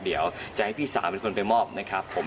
เดี๋ยวจะให้พี่สาวเป็นคนไปมอบนะครับผม